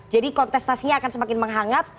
jadi kontestasinya akan semakin menghangat